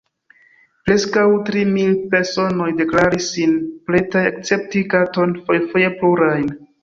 Preskaŭ tri mil personoj deklaris sin pretaj akcepti katon – fojfoje plurajn.